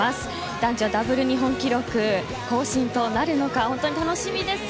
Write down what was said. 男女ダブル日本記録更新となるか楽しみです。